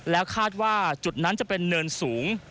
แล้วคาดว่าจุดนั้นจะเป็นเนินสูง